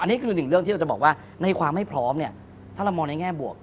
อันนี้คือหนึ่งเรื่องที่เราจะบอกว่าในความไม่พร้อมเนี่ยถ้าเรามองในแง่บวก